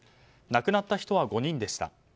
亡くなった人は５人でした。